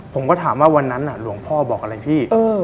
ผมก็ถามว่าวันนั้นหลวงพ่อบอกอะไรพี่